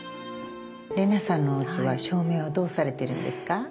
麗奈さんのおうちは照明はどうされてるんですか？